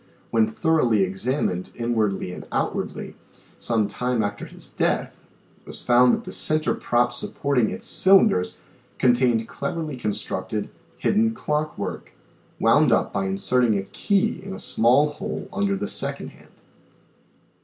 When thoroughly examined inwardly and outwardly, some time after his death, it was found that the center props supporting its cylinders contained cleverly constructed, hidden clock work, wound up by inserting a key in a small hole under the sec ond hand.